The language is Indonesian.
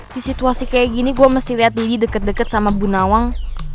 di situasi kayak gini gue mesti lihat didi deket deket sama bu nawang